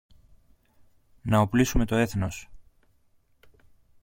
να οπλίσουμε το έθνος.